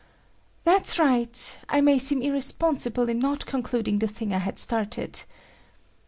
"That's right. I may seem irresponsible in not concluding the thing I had started.